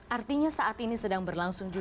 artinya saat ini sedang berlangsung